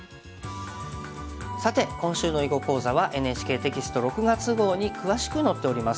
さて今週の囲碁講座はＮＨＫテキスト６月号に詳しく載っております。